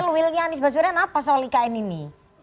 willnya anies baswedan apa soal ikn ini